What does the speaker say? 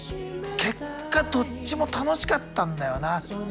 結果どっちも楽しかったんだよな。